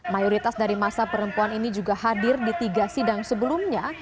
mayoritas dari masa perempuan ini juga hadir di tiga sidang sebelumnya